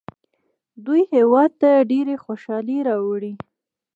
دوی هیواد ته ډېرې خوشحالۍ راوړي.